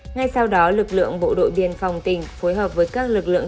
ngay sau đó lực lượng bộ đội biên phòng tỉnh phối hợp với các lực lượng